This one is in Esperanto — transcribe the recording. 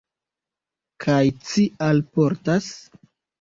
Kaj ci alportas?